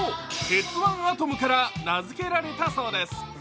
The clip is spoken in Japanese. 「鉄腕アトム」から名付けられたそうです。